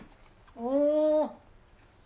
お！